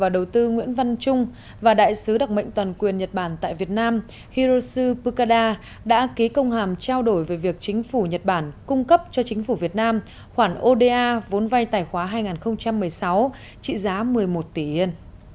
đầu tư nguyễn văn trung và đại sứ đặc mệnh toàn quyền nhật bản tại việt nam hiroshi pukada đã ký công hàm trao đổi về việc chính phủ nhật bản cung cấp cho chính phủ việt nam khoản oda vốn vay tài khoá hai nghìn một mươi sáu trị giá một mươi một tỷ yên